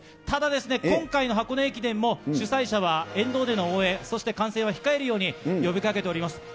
ただ、今回の箱根駅伝も主催者は沿道での応援、そして観戦は控えるように呼びかけております。